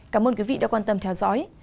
cảm ơn quý vị đã quan tâm theo dõi